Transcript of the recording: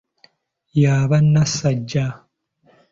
Y'aba nassajja.